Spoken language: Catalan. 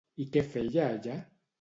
I què feia allà?